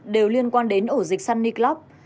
đều liên quan đến ổ dịch sunny club